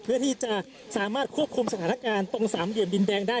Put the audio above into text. เพื่อที่จะสามารถควบคุมสถานการณ์ตรงสามเหลี่ยมดินแดงได้